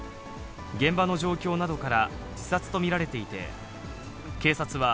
現場の状況などから自殺と見られていて、警察は、